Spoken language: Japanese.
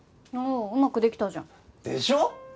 ああうまくできたじゃん。でしょ？